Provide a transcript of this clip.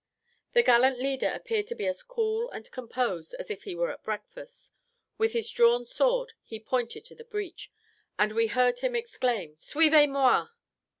The gallant leader appeared to be as cool and composed as if he were at breakfast; with his drawn sword he pointed to the breach, and we heard him exclaim, "_Suivez moi!